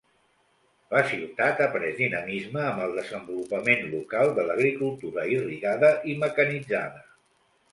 La ciutat ha pres dinamisme amb el desenvolupament local de l'agricultura irrigada i mecanitzada.